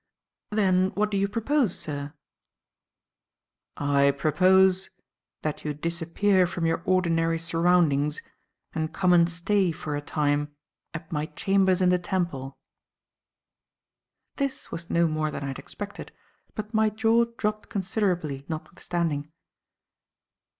"Then what do you propose, sir?" "I propose that you disappear from your ordinary surroundings and come and stay, for a time, at my chambers in the Temple." This was no more than I had expected, but my jaw dropped considerably, notwithstanding.